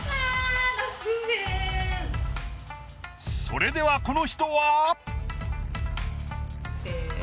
それではこの人は？せの。